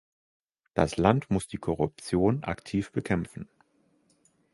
Das Land muss die Korruption aktiv bekämpfen.